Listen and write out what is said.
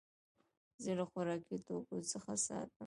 زه له خوراکي توکو څخه ساتم.